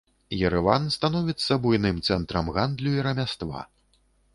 Ерэван становіцца буйным цэнтрам гандлю і рамяства.